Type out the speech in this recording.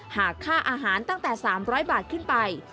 หากค่าอาหารตั้งแต่๓๐๐บาทขึ้นไป